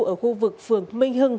ở khu vực phường minh hưng